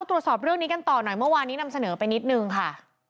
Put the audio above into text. ตรวจสอบเรื่องนี้กันต่อหน่อยเมื่อวานนี้นำเสนอไปนิดนึงค่ะ